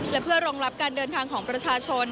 และเพื่อรองรับการเดินทางของประชาชน